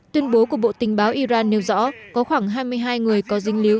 tuyên bố của bộ tình báo iran nêu rõ có khoảng hai mươi hai người có dinh líu